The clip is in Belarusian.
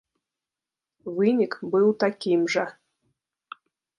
Вынік быў такім жа.